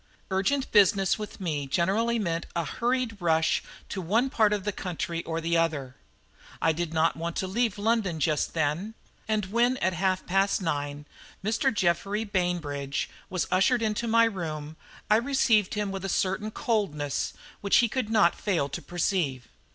Urgent business with me generally meant a hurried rush to one part of the country or the other. I did not want to leave London just then; and when at half past nine Mr. Geoffrey Bainbridge was ushered into my room, I received him with a certain coldness which he could not fail to perceive.